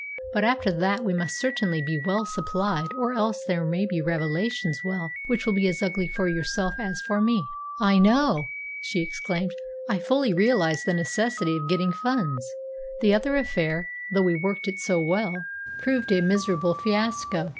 But after that we must certainly be well supplied, or else there may be revelations well which will be as ugly for yourself as for me." "I know," she exclaimed. "I fully realise the necessity of getting funds. The other affair, though we worked it so well, proved a miserable fiasco."